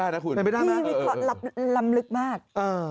ารำลึกมาก